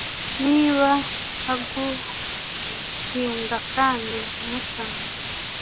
niba aguhinda kandi umusanga